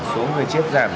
số người chết giảm